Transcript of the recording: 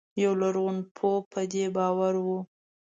یو لرغونپوه په دې باور و.